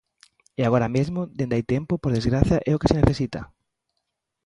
E agora mesmo, dende hai tempo, por desgraza é o que se necesita.